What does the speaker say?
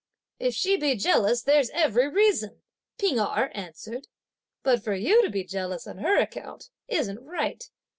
"If she be jealous, there's every reason," P'ing Erh answered, "but for you to be jealous on her account isn't right.